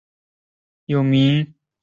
有明是东京都江东区的地名。